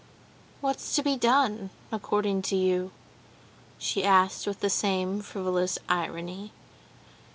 "What's to be done, according to you?" she asked with the same frivolous irony.